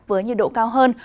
với nhiệt độ cao hơn